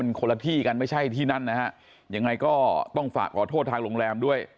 มันคนละที่กันไม่ใช่ที่นั่นนะฮะยังไงก็ต้องฝากขอโทษทางโรงแรมด้วย